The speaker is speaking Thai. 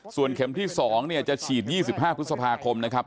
ส่วนเข็มที่๒จะฉีด๒๕พฤษภาคมนะครับ